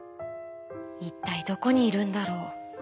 いったいどこにいるんだろう」。